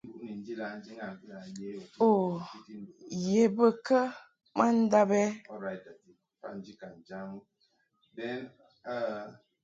U ye bə kə ma ndab ɛ ?